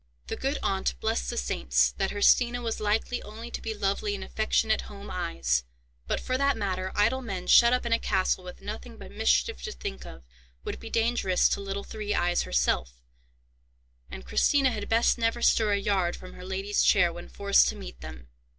The good aunt blessed the saints that her Stina was likely only to be lovely in affectionate home eyes; but, for that matter, idle men, shut up in a castle, with nothing but mischief to think of, would be dangerous to Little Three Eyes herself, and Christina had best never stir a yard from her lady's chair, when forced to meet them.